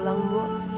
ya udah deh